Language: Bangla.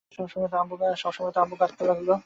সবসময়ের মতো আব্বু কাঁদতে লাগল।